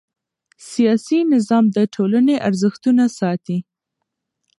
سیاسي نظام د ټولنې ارزښتونه ساتي